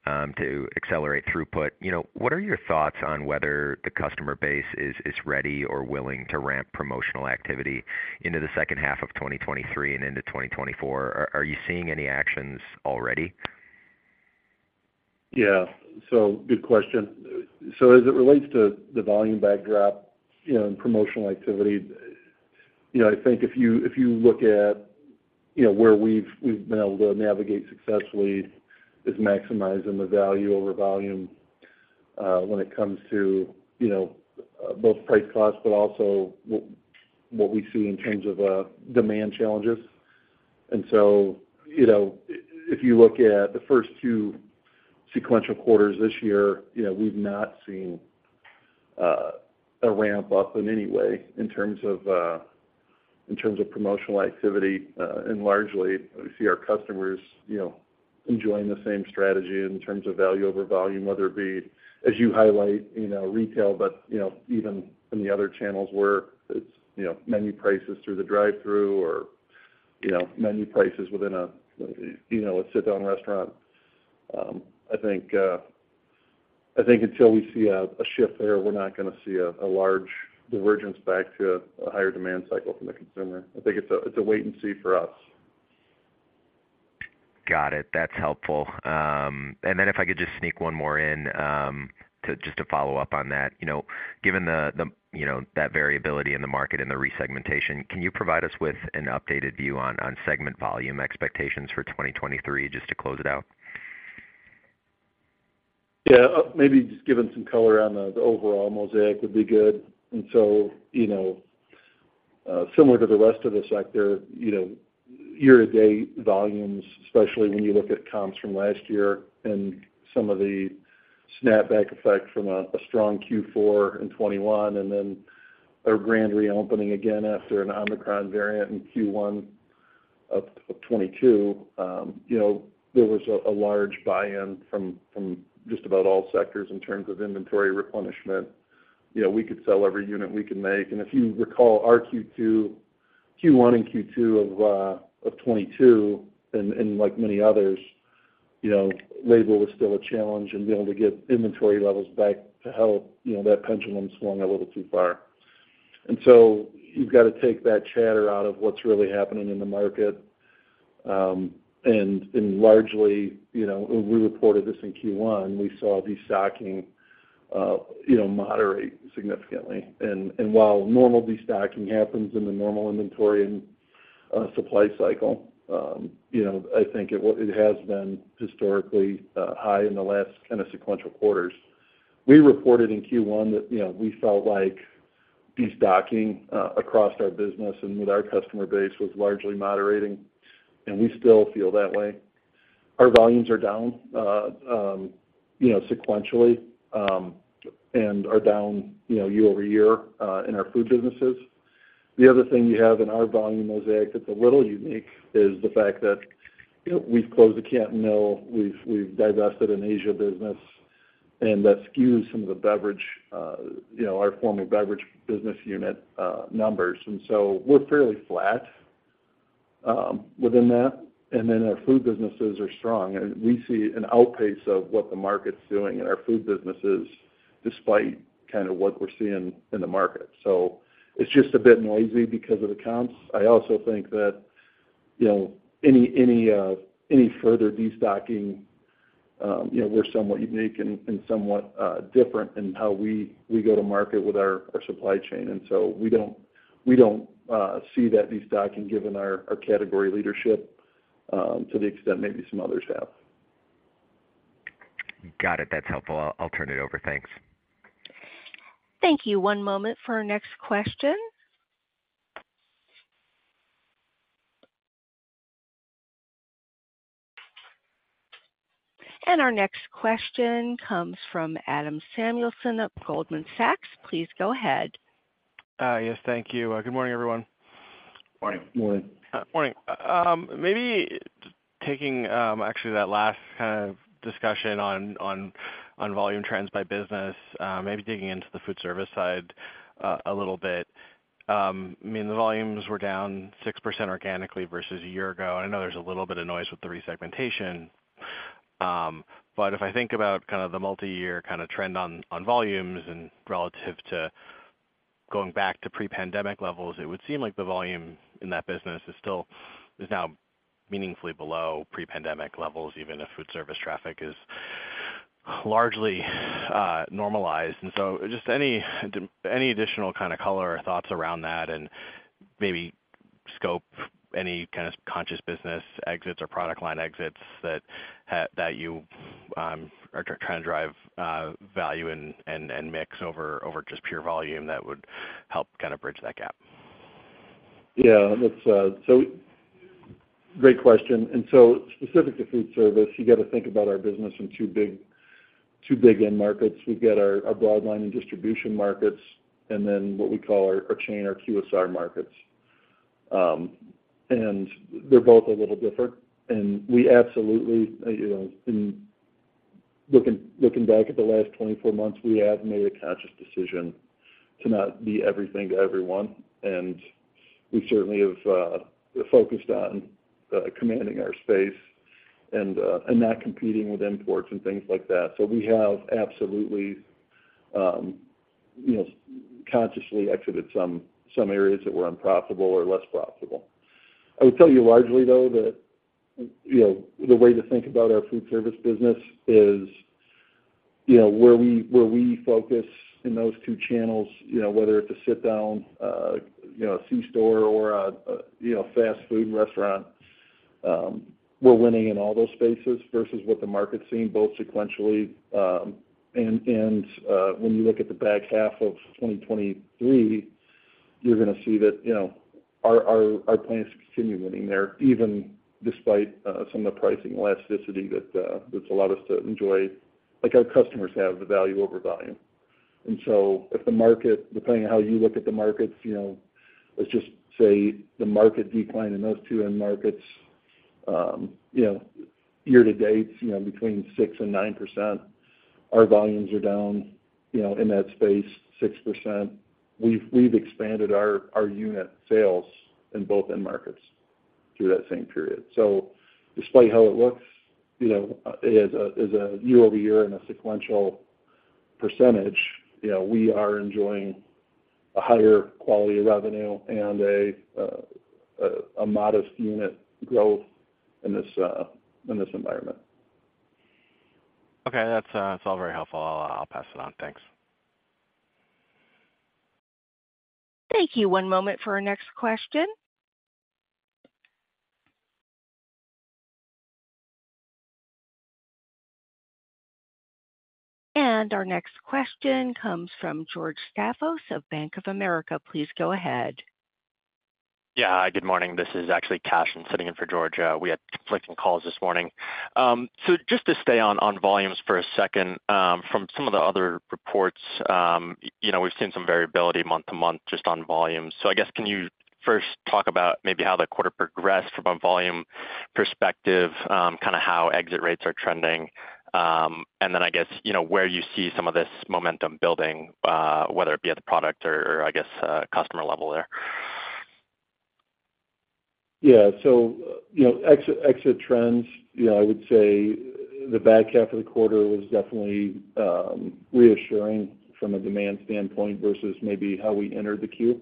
S5: to accelerate throughput, you know, what are your thoughts on whether the customer base is, is ready or willing to ramp promotional activity into the second half of 2023 and into 2024? Are, are you seeing any actions already?
S3: Yeah. Good question. As it relates to the volume backdrop, you know, and promotional activity, you know, I think if you, if you look at, you know, where we've, we've been able to navigate successfully, is maximizing the value over volume, when it comes to, you know, both price costs, but also what, what we see in terms of demand challenges. You know, if you look at the first two sequential quarters this year, you know, we've not seen a ramp up in any way in terms of promotional activity. largely, we see our customers, you know, enjoying the same strategy in terms of value over volume, whether it be, as you highlight, you know, retail, but, you know, even in the other channels where it's, you know, menu prices through the drive-thru or, you know, menu prices within a, you know, a sit-down restaurant. I think, I think until we see a, a shift there, we're not gonna see a, a large divergence back to a higher demand cycle from the consumer. I think it's a, it's a wait and see for us.
S5: Got it. That's helpful. Then if I could just sneak one more in, just to follow up on that. You know, given the, the, you know, that variability in the market and the resegmentation, can you provide us with an updated view on, on segment volume expectations for 2023, just to close it out?
S3: Yeah. Maybe just giving some color on the, the overall mosaic would be good. You know, similar to the rest of the sector, you know, year-to-date volumes, especially when you look at comps from last year and some of the snapback effect from a, a strong Q4 in 2021, and then a grand reopening again after an Omicron variant in Q1 of 2022. You know, there was a, a large buy-in from, from just about all sectors in terms of inventory replenishment. You know, we could sell every unit we can make. If you recall our Q1 and Q2 of 2022, and like many others, you know, labor was still a challenge and being able to get inventory levels back to help, you know, that pendulum swung a little too far. You've got to take that chatter out of what's really happening in the market. Largely, you know, we reported this in Q1, we saw destocking, you know, moderate significantly. While normal destocking happens in the normal inventory and supply cycle, you know, I think it has been historically high in the last kind of sequential quarters. We reported in Q1 that, you know, we felt like destocking across our business and with our customer base was largely moderating, and we still feel that way. Our volumes are down, you know, sequentially, and are down, you know, year-over-year in our food businesses. The other thing we have in our volume mosaic that's a little unique is the fact that, you know, we've closed the Canton Mill, we've, we've divested in Asia business, that skews some of the beverage, you know, our former beverage business unit numbers. We're fairly flat within that. Our food businesses are strong, and we see an outpace of what the market's doing in our food businesses, despite kind of what we're seeing in the market. It's just a bit noisy because of the comps. I also think that, you know, any, any, any further destocking, you know, we're somewhat unique and, and somewhat different in how we, we go to market with our, our supply chain. We don't see that destocking, given our, our category leadership, to the extent maybe some others have.
S5: Got it. That's helpful. I'll turn it over. Thanks.
S1: Thank you. One moment for our next question. Our next question comes from Adam Samuelson of Goldman Sachs. Please go ahead.
S6: Yes, thank you. Good morning, everyone.
S3: Morning.
S2: Morning.
S6: Morning. Maybe taking, actually that last kind of discussion on, on, on volume trends by business, maybe digging into the Foodservice side, a little bit. I mean, the volumes were down 6% organically versus a year ago, and I know there's a little bit of noise with the resegmentation. If I think about kind of the multi-year kind of trend on, on volumes and relative to going back to pre-pandemic levels It would seem like the volume in that business is still is now meaningfully below pre-pandemic levels, even if Foodservice traffic is largely normalized. Just any, any additional kind of color or thoughts around that, and maybe scope, any kind of conscious business exits or product line exits that you are trying to drive, value and mix over, over just pure volume that would help kind of bridge that gap?
S3: Yeah, that's. Great question. Specific to Foodservice, you got to think about our business in two big, two big end markets. We've got our, our broadline and distribution markets, and then what we call our chain, our QSR markets. They're both a little different, and we absolutely, you know, in looking, looking back at the last 24 months, we have made a conscious decision to not be everything to everyone. We certainly have focused on commanding our space and not competing with imports and things like that. We have absolutely, you know, consciously exited some, some areas that were unprofitable or less profitable. I would tell you largely, though, that, you know, the way to think about our Foodservice business is, you know, where we, where we focus in those two channels, you know, whether it's a sit-down, a C-store or a, a, you know, fast food restaurant, we're winning in all those spaces versus what the market's seeing, both sequentially, and, and, when you look at the back half of 2023, you're gonna see that, you know, our, our, our plan is to continue winning there, even despite some of the pricing elasticity that, that's allowed us to enjoy, like our customers have, the value over volume. So if the market, depending on how you look at the markets, you know, let's just say the market decline in those two end markets, you know, year to date, you know, between 6% and 9%, our volumes are down, you know, in that space, 6%. We've, we've expanded our, our unit sales in both end markets through that same period. Despite how it looks, you know, as a, as a year-over-year and a sequential percentage, you know, we are enjoying a higher quality of revenue and a modest unit growth in this environment.
S6: Okay. That's, that's all very helpful. I'll pass it on. Thanks.
S1: Thank you. One moment for our next question. Our next question comes from George Staphos of Bank of America. Please go ahead.
S7: Yeah. Good morning. This is actually Kashan sitting in for George. We had conflicting calls this morning. Just to stay on, on volumes for a second, from some of the other reports, you know, we've seen some variability month-to-month just on volumes. I guess, can you first talk about maybe how the quarter progressed from a volume perspective, kind of how exit rates are trending? Then, I guess, you know, where you see some of this momentum building, whether it be at the product or, I guess, customer level there?
S3: Yeah. You know, exit, exit trends, you know, I would say the back half of the quarter was definitely reassuring from a demand standpoint versus maybe how we entered the Q.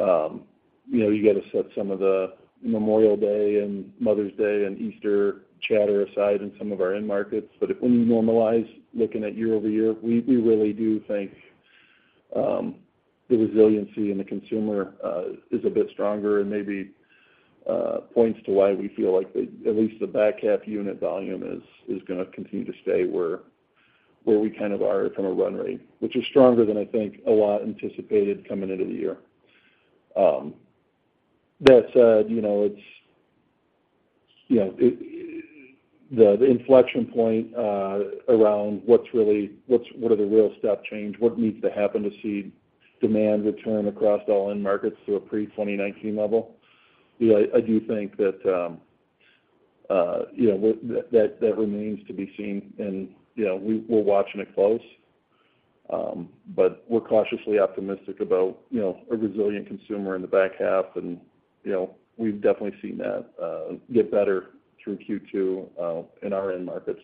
S3: You know, you got to set some of the Memorial Day and Mother's Day and Easter chatter aside in some of our end markets, but when we normalize, looking at year-over-year we really do think the resiliency in the consumer is a bit stronger and maybe points to why we feel like at least the back half unit volume is gonna continue to stay where, where we kind of are from a run rate, which is stronger than I think a lot anticipated coming into the year. That said, you know, the inflection point around what are the real step change, what needs to happen to see demand return across all end markets to a pre-2019 level? You know, I do think that, you know, that remains to be seen, and, you know, we're watching it close. We're cautiously optimistic about, you know, a resilient consumer in the back half, and, you know, we've definitely seen that get better through Q2 in our end markets.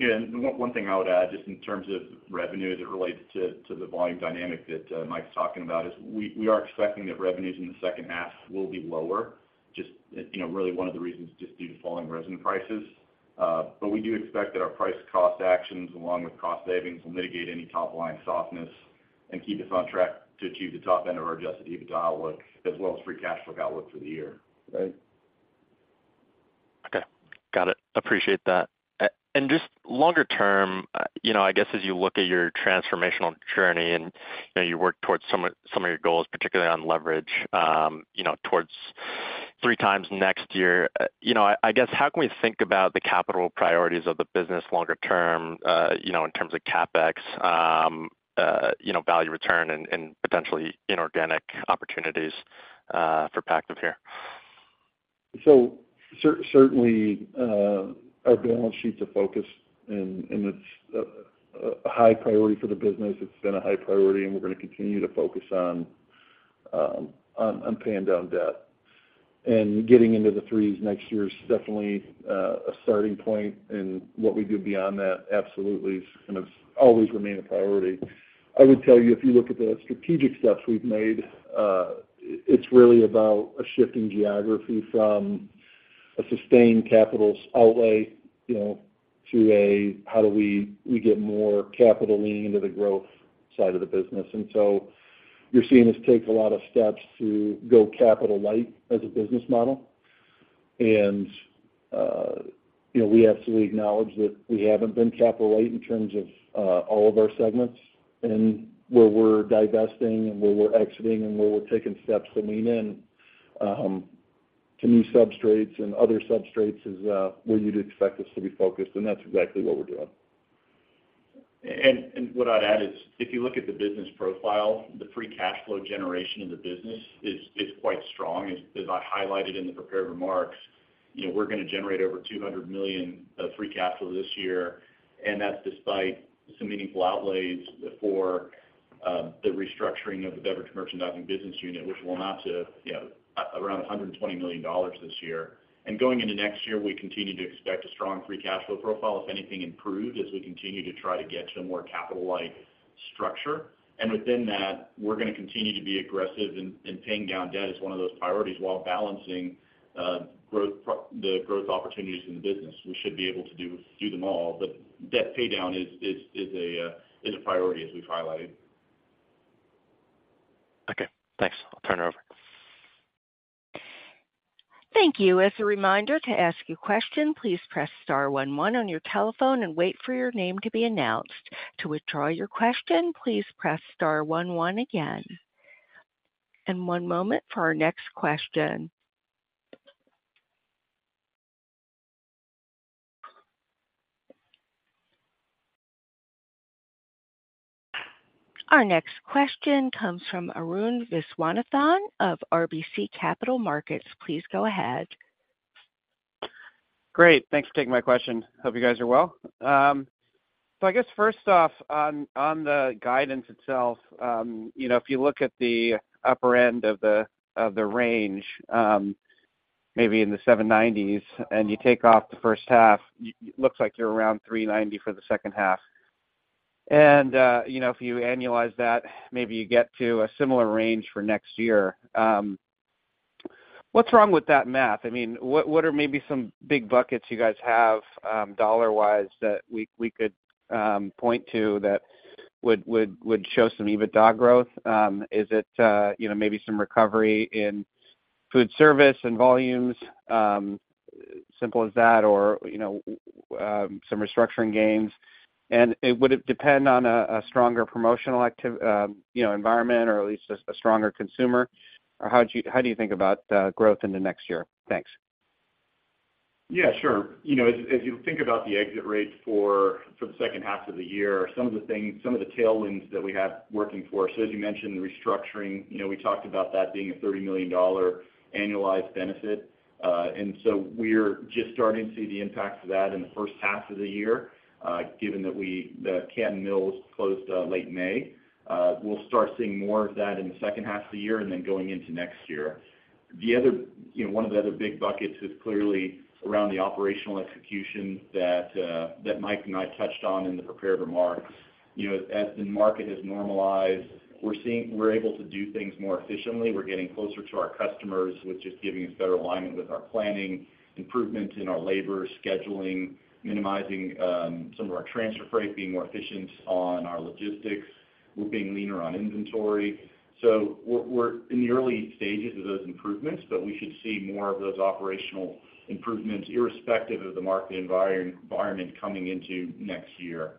S4: Yeah, and one thing I would add, just in terms of revenue as it relates to, to the volume dynamic that Mike's talking about, is we, we are expecting that revenues in the second half will be lower, just, you know, really 1 of the reasons, just due to falling resin prices. We do expect that our price cost actions, along with cost savings, will mitigate any top line softness and keep us on track to achieve the top end of our adjusted EBITDA outlook, as well as free cash flow outlook for the year.
S3: Right.
S7: Okay, got it. Appreciate that. Just longer term, you know, I guess, as you look at your transformational journey and, you know, you work towards some of, some of your goals, particularly on leverage, you know, towards three times next year, you know I guess, how can we think about the capital priorities of the business longer term, you know, in terms of CapEx, you know, value return and, and potentially inorganic opportunities for Pactiv here?
S3: Certainly, our balance sheet's a focus, and it's a high priority for the business. It's been a high priority, and we're gonna continue to focus on paying down debt. Getting into the 3s next year is definitely a starting point, and what we do beyond that absolutely is gonna always remain a priority. I would tell you, if you look at the strategic steps we've made, it's really about a shift in geography from a sustained capital outlay, you know, to a, "How do we, we get more capital leaning into the growth side of the business?" You're seeing us take a lot of steps to go capital light as a business model. You know, we absolutely acknowledge that we haven't been capital light in terms of all of our segments. Where we're divesting and where we're exiting and where we're taking steps to lean in, to new substrates and other substrates is, where you'd expect us to be focused, and that's exactly what we're doing.
S4: What I'd add is, if you look at the business profile, the free cash flow generation of the business is, is quite strong. As I highlighted in the prepared remarks, you know, we're gonna generate over $200 million of free capital this year, and that's despite some meaningful outlays for the restructuring of the Beverage Merchandising business unit, which will amount to, you know, around $120 million this year. Going into next year, we continue to expect a strong free cash flow profile, if anything, improved, as we continue to try to get to a more capital-light structure. Within that, we're gonna continue to be aggressive in, in paying down debt as one of those priorities while balancing the growth opportunities in the business. We should be able to do, do them all, but debt paydown is a, is a priority, as we've highlighted.
S7: Okay, thanks. I'll turn it over.
S1: Thank you. As a reminder, to ask a question, please press star one one on your telephone and wait for your name to be announced. To withdraw your question, please press star one one again. One moment for our next question. Our next question comes from Arun Viswanathan of RBC Capital Markets. Please go ahead.
S8: Great, thanks for taking my question. Hope you guys are well. I guess first off, on, on the guidance itself, you know, if you look at the upper end of the, of the range, maybe in the $790s, and you take off the first half, looks like you're around $390 for the second half. You know, if you annualize that, maybe you get to a similar range for next year. What's wrong with that math? I mean, what, what are maybe some big buckets you guys have, dollar-wise, that we, we could point to that would, would, would show some EBITDA growth? Is it, you know, maybe some recovery in Foodservice and volumes, simple as that, or, you know, some restructuring gains? Would it depend on a, a stronger promotional, you know, environment or at least a, a stronger consumer? How do you, how do you think about growth in the next year? Thanks.
S4: Yeah, sure. You know, as, as you think about the exit rates for, for the second half of the year, some of the things, some of the tailwinds that we have working for us, so as you mentioned, the restructuring, you know, we talked about that being a $30 million annualized benefit. We're just starting to see the impacts of that in the first half of the year. Given that Canton Mill closed, late May, we'll start seeing more of that in the second half of the year and then going into next year. The other, you know, one of the other big buckets is clearly around the operational execution that Mike and I touched on in the prepared remarks. You know, as, as the market has normalized, we're seeing we're able to do things more efficiently. We're getting closer to our customers, which is giving us better alignment with our planning, improvements in our labor scheduling, minimizing, some of our transfer freight, being more efficient on our logistics. We're being leaner on inventory. So we're, we're in the early stages of those improvements, but we should see more of those operational improvements, irrespective of the market environment, coming into next year.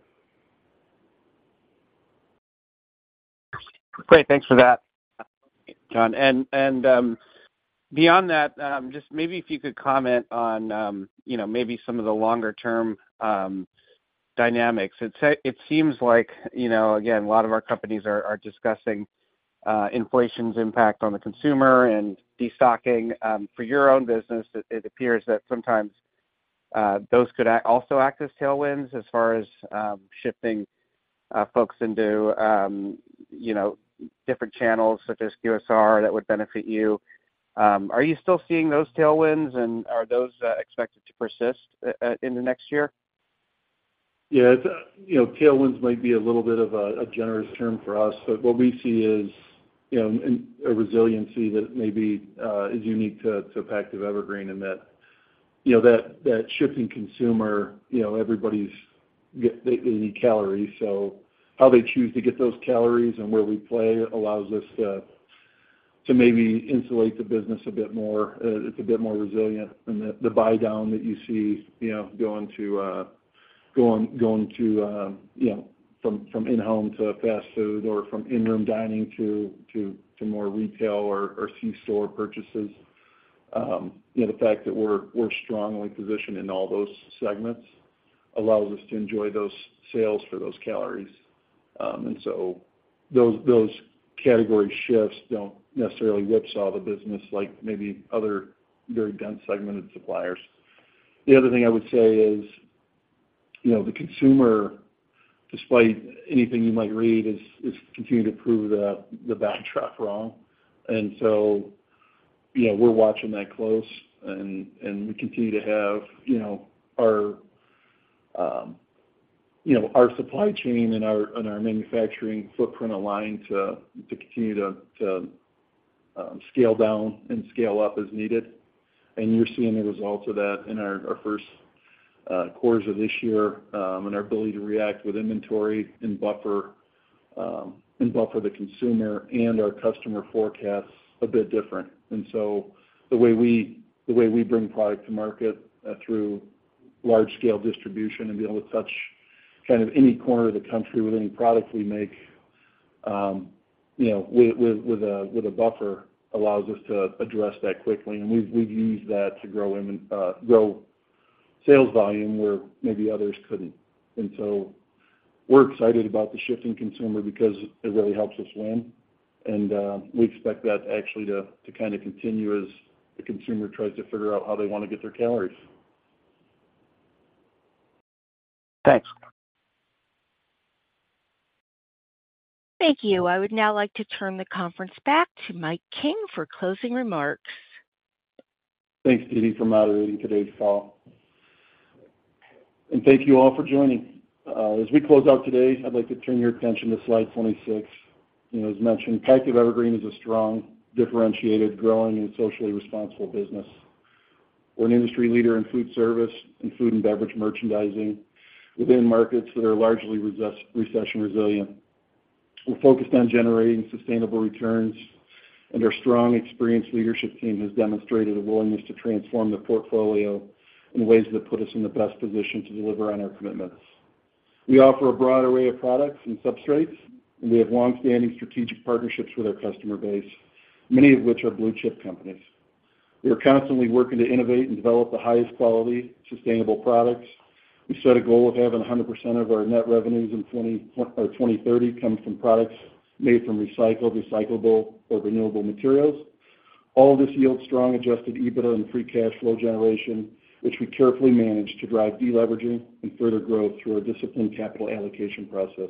S8: Great. Thanks for that, Jon. Beyond that, just maybe if you could comment on, you know, maybe some of the longer-term dynamics. It seems like, you know, again, a lot of our companies are discussing inflation's impact on the consumer and destocking for your own business. It, it appears that sometimes those could also act as tailwinds as far as shifting folks into, you know, different channels such as QSR that would benefit you. Are you still seeing those tailwinds, and are those expected to persist in the next year?
S3: Yeah, it's, you know, tailwinds might be a little bit of a, a generous term for us. What we see is, you know, a resiliency that maybe, is unique to, to Pactiv Evergreen, and that, you know, that, that shifting consumer, you know, they, they need calories. How they choose to get those calories and where we play allows us to, to maybe insulate the business a bit more. It's a bit more resilient than the, the buy-down that you see, you know, going to, going, going to, you know, from, from in-home to fast food or from in-room dining to, to, to more retail or, or C-store purchases. You know, the fact that we're, we're strongly positioned in all those segments allows us to enjoy those sales for those calories. And so those, those category shifts don't necessarily whipsaw the business like maybe other very dense segmented suppliers. The other thing I would say is, you know, the consumer, despite anything you might read, is, is continuing to prove the, the bad track wrong. And so, you know, we're watching that close, and, and we continue to have, you know, our, you know, our supply chain and our, and our manufacturing footprint aligned to, to continue to, to scale down and scale up as needed. And you're seeing the results of that in our, our first quarters of this year, and our ability to react with inventory and buffer, and buffer the consumer and our customer forecasts a bit different. The way we bring product to market, through large-scale distribution and be able to touch kind of any corner of the country with any products we make, you know with a buffer, allows us to address that quickly. We've used that to grow in, grow sales volume where maybe others couldn't. We're excited about the shifting consumer because it really helps us win, and we expect that actually to, to kind of continue as the consumer tries to figure out how they wanna get their calories.
S8: Thanks.
S1: Thank you. I would now like to turn the conference back to Mike King for closing remarks.
S3: Thanks, Katie, for moderating today's call. Thank you all for joining. As we close out today, I'd like to turn your attention to slide 26. You know, as mentioned, Pactiv Evergreen is a strong, differentiated, growing, and socially responsible business. We're an industry leader in Foodservice and Food and Beverage Merchandising within markets that are largely recession resilient. We're focused on generating sustainable returns, and our strong, experienced leadership team has demonstrated a willingness to transform the portfolio in ways that put us in the best position to deliver on our commitments. We offer a broad array of products and substrates, and we have long-standing strategic partnerships with our customer base, many of which are blue-chip companies. We are constantly working to innovate and develop the highest quality, sustainable products. We've set a goal of having 100% of our net revenues in 20, or 2030 come from products made from recycled, recyclable, or renewable materials. All of this yields strong adjusted EBITDA and free cash flow generation, which we carefully manage to drive deleveraging and further growth through our disciplined capital allocation process.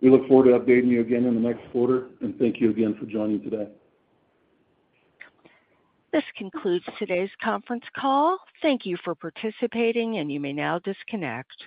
S3: We look forward to updating you again in the next quarter. Thank you again for joining today.
S1: This concludes today's conference call. Thank you for participating, and you may now disconnect.